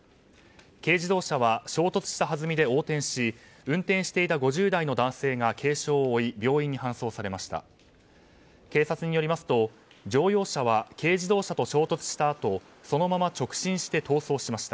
軽自動車は衝突したはずみで横転し、運転していた５０代の男性が軽傷を負い病院に搬送されました。